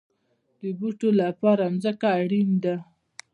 د بوټو لپاره ځمکه اړین ده